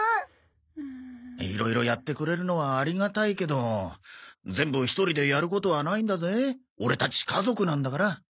いろいろやってくれるのはありがたいけど全部一人でやることはないんだぜオレたち家族なんだから。